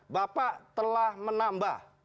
bapak telah menambah